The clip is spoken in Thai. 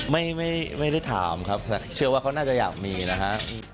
ไม่ได้ถามครับแต่เชื่อว่าเขาน่าจะอยากมีนะฮะ